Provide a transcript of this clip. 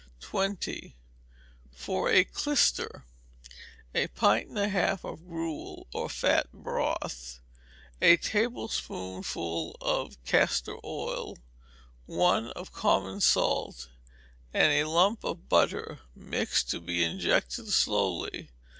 20. For a Clyster. A pint and a half of gruel or fat broth, a tablespoonful of castor oil, one of common salt, and a lump of butter; mix, to be injected slowly.